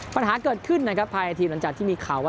ปัญหาเกิดขึ้นนะครับภายในทีมหลังจากที่มีข่าวว่า